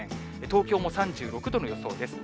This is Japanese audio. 東京も３６度の予想です。